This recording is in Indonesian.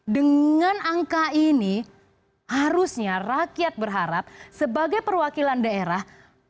dengan angka ini harusnya rakyat berharap sebagai perwakilan daerah